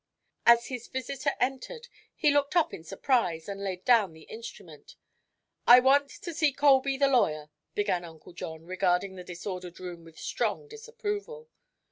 As his visitor entered he looked up in surprise and laid down the instrument. "I want to see Colby, the lawyer," began Uncle John, regarding the disordered room with strong disapproval.